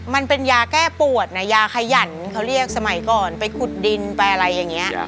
มันเป็นยาแก้ปวดนะยาขยันเขาเรียกสมัยก่อนไปขุดดินไปอะไรอย่างนี้